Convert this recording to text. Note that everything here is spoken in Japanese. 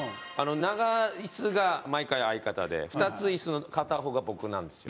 長椅子が毎回相方で２つの椅子の片方が僕なんですよ。